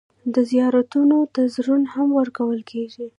د زیارتونو نذرونه هم ورکول کېږي.